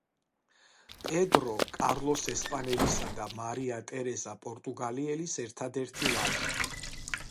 პედრო კარლოს ესპანელისა და მარია ტერეზა პორტუგალიელის ერთადერთი ვაჟი.